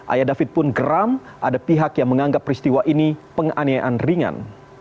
ayah david pun geram ada pihak yang menganggap peristiwa ini penganiayaan ringan